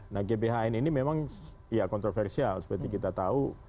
nah gbhn ini memang ya kontroversial seperti kita tahu